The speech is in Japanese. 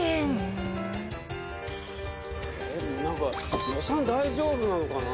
なんか予算大丈夫なのかな？